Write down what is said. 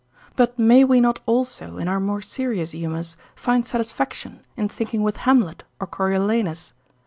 But may we not also, in our more serious humours, find satisfaction in thinking with Hamlet or Coriolanus?